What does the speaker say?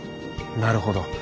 なるほど。